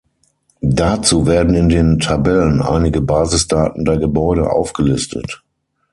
Dazu werden in den Tabellen einige Basisdaten der Gebäude aufgelistet.